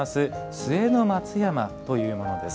末の松山というものです。